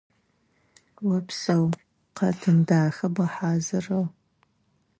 Опсэу, къэтын дахэ бгъэхьазырыгъ.